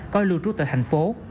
coi lưu trú tại thành phố